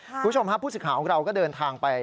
คุณผู้ชมผู้ศึกข่าวของเราก็เดินทางไป